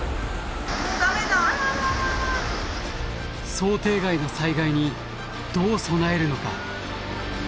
想定外の災害にどう備えるのか。